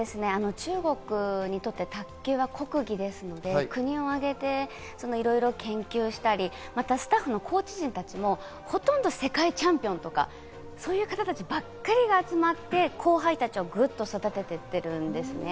中国にとって卓球は国技ですので、国をあげて、いろいろ研究したり、またスタッフやコーチ陣もほとんど世界チャンピオンとか、そういう方たちばっかり集まって後輩たちをぐっと育てていってるんですね。